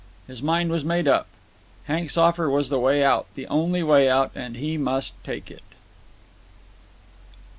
His mind was made up. Hank's offer was the way out, the only way out, and he must take it.